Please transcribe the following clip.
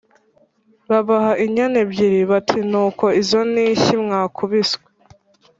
Babaha inyana ebyiri, bati: "Nuko izo ni inshyi mwakubiswe